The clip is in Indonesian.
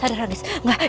sadar sadar halusinasi